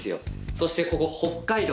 そしてここ、北海道。